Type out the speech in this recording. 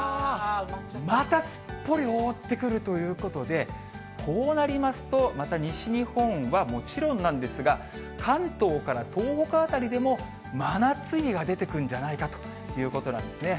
またすっぽり覆ってくるということで、こうなりますと、また西日本はもちろんなんですが、関東から東北辺りでも真夏日が出てくるんじゃないかということなんですね。